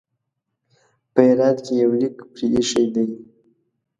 په هرات کې یو لیک پرې ایښی دی.